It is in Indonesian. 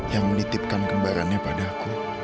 yang menitipkan kembarannya padaku